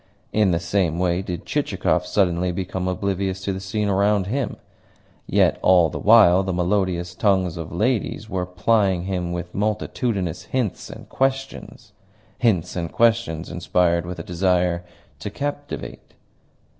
In the same way did Chichikov suddenly become oblivious to the scene around him. Yet all the while the melodious tongues of ladies were plying him with multitudinous hints and questions hints and questions inspired with a desire to captivate.